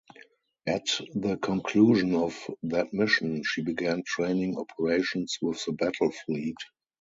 At the conclusion of that mission, she began training operations with the Battle Fleet.